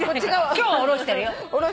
今日は下ろしてるよ。